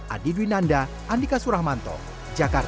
adi dwi nanda andika suramanto jakarta